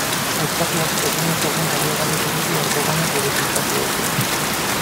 Aitzakiok egunez egun baliogabetu ditu Erdoganek bere filtrazioekin.